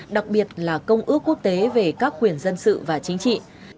đặc biệt là công ước quốc tế về các quyền dân sự và chính trị